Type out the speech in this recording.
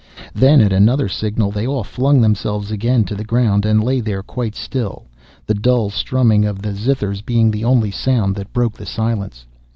Then at another signal they all flung themselves again to the ground and lay there quite still, the dull strumming of the zithers being the only sound that broke the silence.